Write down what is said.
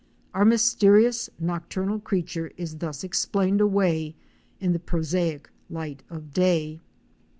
Our mysterious nocturnal creature is thus explained away in the prosaic light of day.